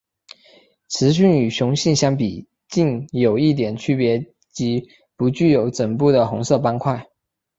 雌性与雄性相比近有一点差别即不具有枕部的红色斑块。